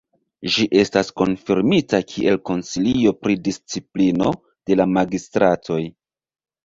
Ĝi estas konfirmita kiel konsilio pri disciplino de la magistratoj.